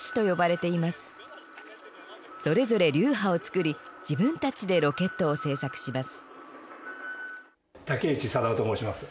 それぞれ流派を作り自分たちでロケットを製作します。